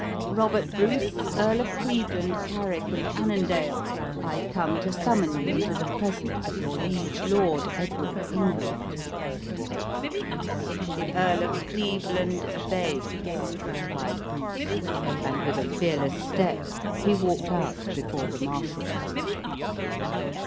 "Robert Bruce, Earl of Cleveland, Carrick and Annandale, I come to summon you into the presence of your liege lord, Edward of England." "The Earl of Cleveland obeys," replied Bruce; and, with a fearless step, he walked out before the marshal.